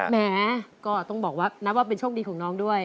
แหมก็ต้องบอกว่านับว่าเป็นโชคดีของน้องด้วย